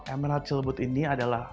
emerald celebut ini adalah